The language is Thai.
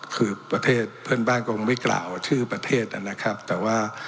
คือประเทศเพื่อนบ้านก็คงไม่กล่าวชื่อประเทศนะครับแต่ว่า